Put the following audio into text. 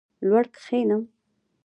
لوړ کښېنم.